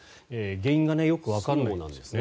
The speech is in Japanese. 原因がよくわからないですね。